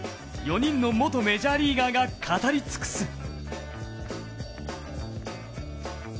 ４人の元メジャーリーガーたちが語り尽くす。